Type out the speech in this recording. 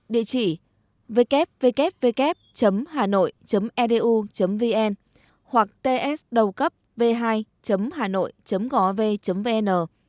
địa chỉ www hanoi edu vn hoặc ts v hai hanoi gov vn